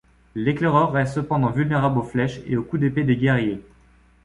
L'éclaireur reste cependant vulnérable aux flèches et aux coups d'épées des guerriers.